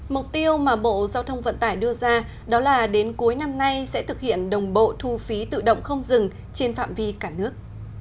mục tiêu mà bộ giao thông vận tải đưa ra đó là đến cuối năm nay sẽ thực hiện đồng bộ thu phí tự động không dừng trên phạm vi cả nước